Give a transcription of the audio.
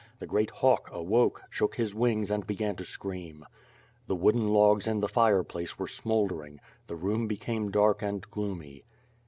The great hawk awoke, shook his wings and began to scream. The wooden logs in the fireplace were smouldering. The room became dark and gloomy.